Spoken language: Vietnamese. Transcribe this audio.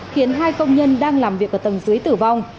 khiến hai công nhân đang làm việc ở tầng dưới tử vong